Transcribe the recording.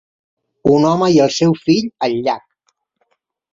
Un home i el seu fill al llac